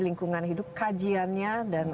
lingkungan hidup kajiannya dan